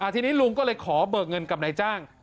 ทีนี้ลุงก็เลยขอเบิกเงินกับนายจ้าง